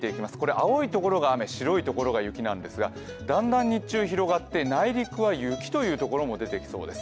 青いところが雨、白いところが雪ですが、だんだん日中広がって、内陸は雪というところも出てきそうです。